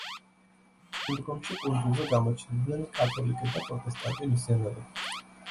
შემდგომში კუნძულზე გამოჩნდნენ კათოლიკე და პროტესტანტი მისიონერები.